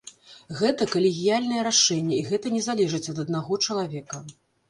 Гэта калегіяльнае рашэнне, і гэта не залежыць ад аднаго чалавека.